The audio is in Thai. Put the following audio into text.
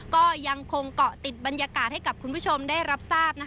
ก็ยังคงเกาะติดบรรยากาศให้กับคุณผู้ชมได้รับทราบ